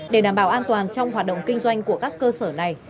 để đảm bảo an toàn trong hoạt động kinh doanh của các cơ sở này